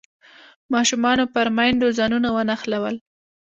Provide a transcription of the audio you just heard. ماشومانو پر میندو ځانونه ونښلول.